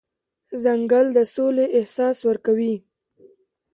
ځنګل د سولې احساس ورکوي.